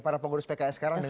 para pengurus pks sekarang